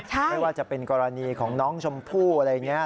ไม่ว่าจะเป็นกรณีของน้องชมพู่อะไรอย่างนี้